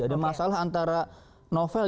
ada masalah antara novel